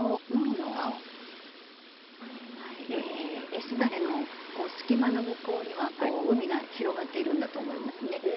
絵すだれの隙間の向こうには海が広がっているんだと思いますね。